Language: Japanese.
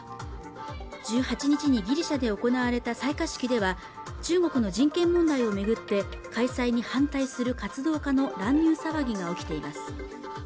１８日にギリシャで行われた採火式では中国の人権問題を巡って開催に反対する活動家の乱入騒ぎが起きています